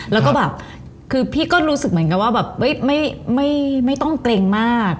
แล้วก็แบบคือพี่ก็รู้สึกเหมือนกันว่าแบบไม่ต้องเกรงมาก